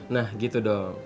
nah gitu dong